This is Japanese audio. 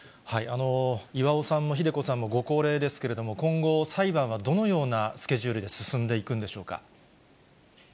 巌さんもひで子さんもご高齢ですけれども、今後、裁判はどのようなスケジュールで進んでいくんでしょうか。